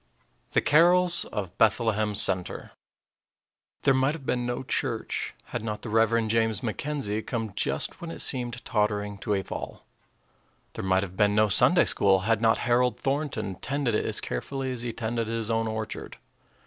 _ THE CAROLS OF BETHLEHEM CENTER There might have been no church had not the Rev. James McKenzie come just when it seemed tottering to a fall. There might have been no Sunday school had not Harold Thornton tended it as carefully as he tended his own orchard.